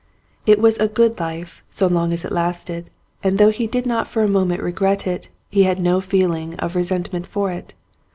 It was a good life so long as it lasted and though he did not for a moment regret it, he had no feeling of resentment for it.